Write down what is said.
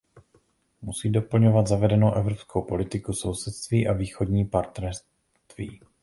Musí doplňovat zavedenou evropskou politiku sousedství a Východní partnerství.